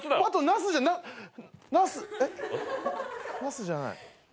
ナスじゃない。